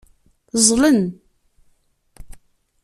Ẓẓlen.